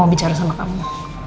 mau bicara sama kamu